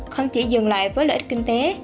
không chỉ dừng lại với lợi ích kinh tế